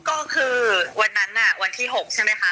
ก็คือวันนั้นวันที่๖ใช่ไหมคะ